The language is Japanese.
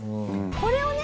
これをね